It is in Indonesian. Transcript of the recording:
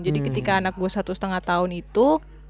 jadi ketika anak gue satu lima tahun itu